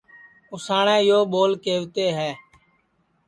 اُساٹؔے یو ٻول کَیوتے ہے